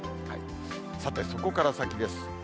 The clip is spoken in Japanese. さて、そこから先です。